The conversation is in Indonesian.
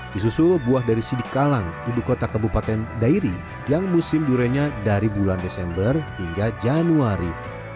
disusul buah dari sidikalang ibu kota kabupaten dairi yang musim duriannya dari bulan desember hingga januari